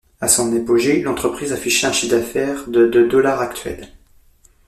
À son apogée, l'entreprise affichait un chiffre d'affaires de de dollars actuels.